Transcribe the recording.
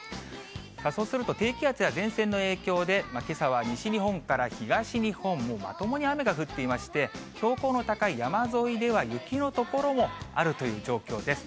そうすると低気圧や前線の影響で、けさは西日本から東日本、もうまともに雨が降っていまして、標高の高い山沿いでは雪の所もあるという状況です。